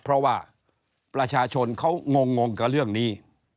เพราะว่าประชาชนเขางงกับเรื่องนี้